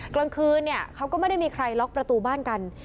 กลางคืนเนี่ยเขาก็ไม่ได้มีใครล็อกประตูบ้านกัน